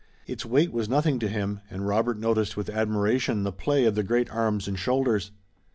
Its weight was nothing to him, and Robert noticed with admiration the play of the great arms and shoulders.